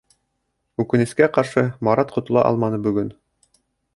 Үкенескә ҡаршы, Марат ҡотола алманы бөгөн.